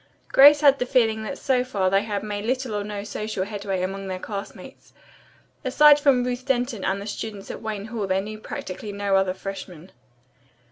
Grace had the feeling that so far they had made little or no social headway among their classmates. Aside from Ruth Denton and the students at Wayne Hall they knew practically no other freshmen.